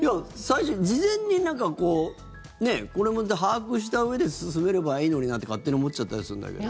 事前にこれも把握したうえで進めればいいのになって勝手に思っちゃったりするんだけど。